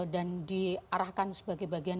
dan diarahkan sebagai bagian